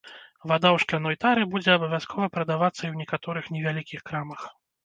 Вада ў шкляной тары будзе абавязкова прадавацца і ў некаторых невялікіх крамах.